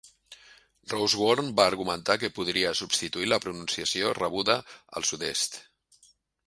Rosewarne va argumentar que podria substituir la pronunciació rebuda al sud-est.